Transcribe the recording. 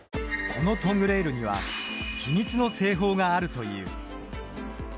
このトングレールには秘密の製法があるという。